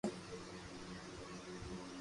جني او نينو ھتو تو او ايڪ برھامڻ ري گھري